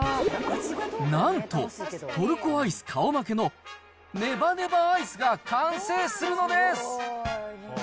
なんと、トルコアイス顔負けのねばねばアイスが完成するのです。